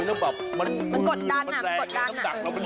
พล่อหมดเลย